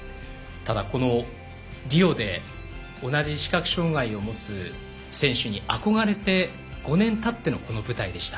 ただこのリオで同じ視覚障がいを持つ選手に憧れて５年たってのこの舞台でした。